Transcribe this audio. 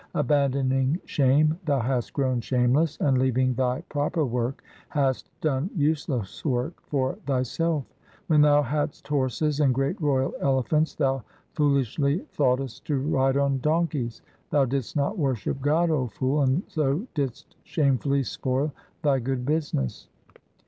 Abandoning shame thou hast grown shameless, and leaving thy proper work hast done useless work for thyself. When thou hadst horses and great royal elephants, thou foolishly thoughtest to ride on donkeys. 2 Thou didst not worship God, O fool, and so didst shame fully spoil thy good business.